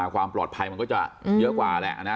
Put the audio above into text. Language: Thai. ความปลอดภัยมันก็จะเยอะกว่าแหละนะ